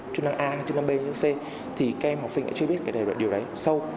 chức năng a hay chức năng b hay chức năng c thì các em học sinh chưa biết điều đấy sâu